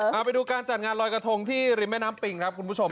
เอาไปดูการจัดงานลอยกระทงที่ริมแม่น้ำปิงครับคุณผู้ชม